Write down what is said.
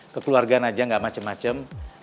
kekeluargaan aja gak macem macem